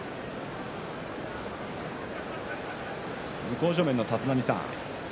向正面の立浪さん